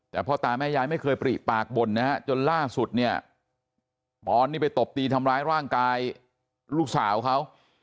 แต่พ่อตาแม่ยายไม่เคยปริปากบ่นนะฮะจนล่าสุดเนี่ยปอนนี่ไปตบตีทำร้ายร่างกายลูกสาวเขา